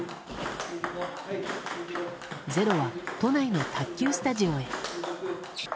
「ｚｅｒｏ」は都内の卓球スタジオへ。